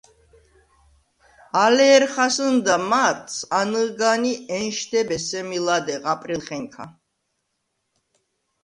ალე ერ ხასჷ̄ნდა მარტს, ანჷ̄გან ი ენშდებე სემი ლადეღ აპრილხენქა.